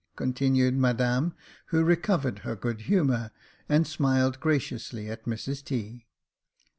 continued Madame, who recovered her good humour, and smiled graciously at Mrs T.